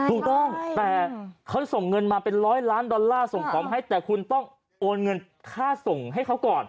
ถูกต้องแต่เขาส่งเงินมาเป็นร้อยล้านดอลลาร์ส่งของให้แต่คุณต้องโอนเงินค่าส่งให้เขาก่อน